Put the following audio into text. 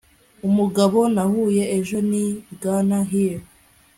umugabo nahuye ejo ni bwana hill